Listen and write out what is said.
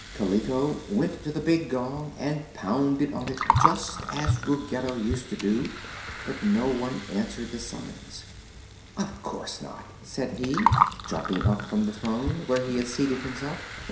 Kaliko went to the big gong and pounded on it just as Ruggedo used to do; but no one answered the summons. "Of course not," said he, jumping up from the throne, where he had seated himself.